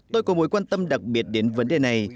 tôi có mối quan tâm đặc biệt đến vấn đề này